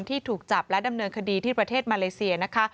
ที่ถูกจับและดำเนินคดีที่ประเทศมาเลเซียนะคะ